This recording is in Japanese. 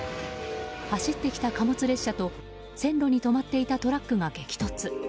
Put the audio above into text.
走ってきた貨物列車と線路に止まっていたトラックが激突。